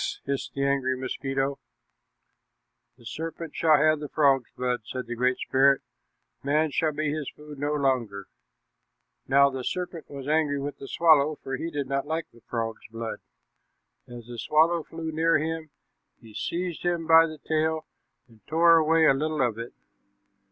hissed the angry mosquito. "The serpent shall have the frog's blood," said the Great Spirit. "Man shall be his food no longer." Now the serpent was angry with the swallow, for he did not like frog's blood. As the swallow flew near him, he seized him by the tail and tore away a little of it.